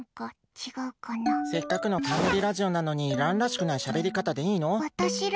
せっかくのラジオなのに蘭らしくないしゃべり方でいいの？